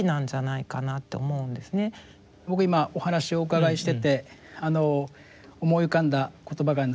僕は今お話をお伺いしてて思い浮かんだ言葉があるんですけど。